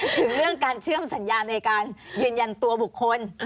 ถึงเรื่องการเชื่อมสัญญาในการยืนยันตัวบุคคล